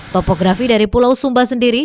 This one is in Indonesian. topografi dari pulau sumba sendiri